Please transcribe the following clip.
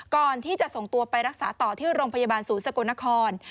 ก่อนที่จะส่งตัวไปรักษาต่อที่โรงพยาบาลศูนย์สกลนคร